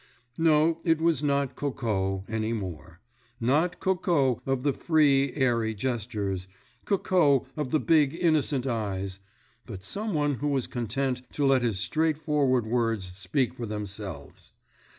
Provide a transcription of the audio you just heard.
No, it was not Coco, any more—not Coco of the free, airy gestures, Coco of the big, innocent eyes; but some one who was content to let his straight forward words speak for themselves.